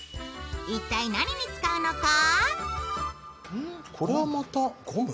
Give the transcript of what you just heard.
一体何に使うのか。